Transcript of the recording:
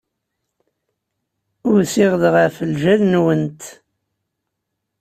Usiɣ-d ɣef lǧal-nwent.